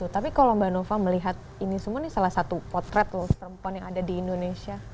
tapi kalau mbak nova melihat ini semua ini salah satu potret worst perempuan yang ada di indonesia